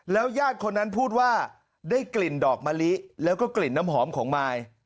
ญาติคนนั้นพูดว่าได้กลิ่นดอกมะลิแล้วก็กลิ่นน้ำหอมของมาย